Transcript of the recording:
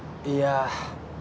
いや。